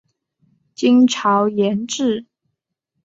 金朝沿置。